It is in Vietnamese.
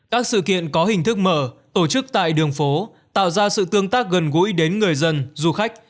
các sự kiện có hình thức mở tổ chức tại đường phố tạo ra sự tương tác gần gũi đến người dân du khách